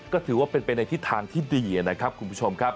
ก็ถือว่าเป็นไปในทิศทางที่ดีนะครับคุณผู้ชมครับ